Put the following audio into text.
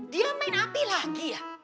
dia main api lagi ya